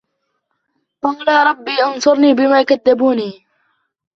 قَالَ رَبِّ انْصُرْنِي بِمَا كَذَّبُونِ